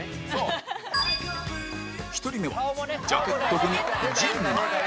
１人目はジャケット組陣内